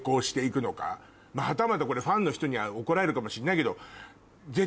またまたこれファンの人には怒られるかもしれないけど。